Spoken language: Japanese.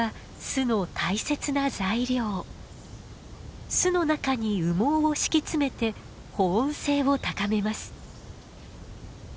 巣の中に羽毛を敷き詰めて保温性を高めます。